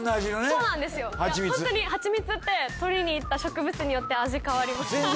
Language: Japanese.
いやホントにハチミツってとりにいった植物によって味変わります